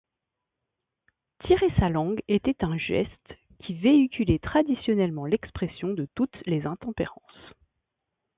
Tirer sa langue était une geste qui véhiculait traditionnellement l'expression de toutes les intempérances.